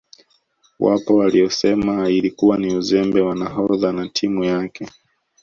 Wapo waliosema ilikuwa ni uzembe wa nahodha na timu yake